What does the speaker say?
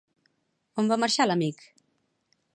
On va marxar l'amic?